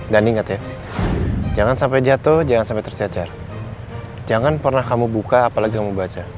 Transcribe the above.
dan ingat ya jangan sampai jatuh jangan sampai terjejar jangan pernah kamu buka apalagi membaca